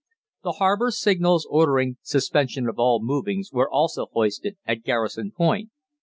The harbour signals ordering 'suspension of all movings' were also hoisted at Garrison Point.